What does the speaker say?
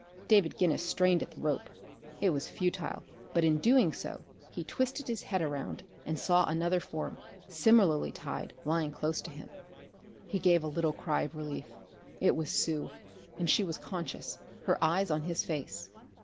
David Guinness strained at the rope. It was futile, but in doing so he twisted his head around and saw another form, similarly tied, lying close to him. He gave a little cry of relief. It was Sue. And she was conscious, her eyes on his face.